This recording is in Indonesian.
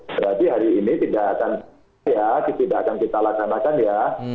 berarti hari ini tidak akan kita laksanakan ya